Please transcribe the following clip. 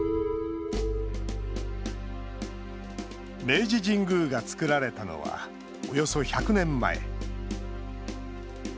明治神宮が造られたのはおよそ１００年前。